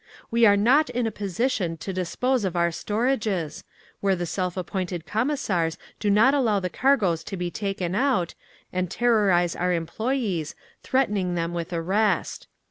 "WE ARE NOT IN A POSITION TO DISPOSE OF OUR STORAGES, where the self appointed Commissars do not allow the cargoes to be taken out, and terrorise our employees, threatening them with arrest.